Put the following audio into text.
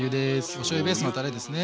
おしょうゆベースのタレですね。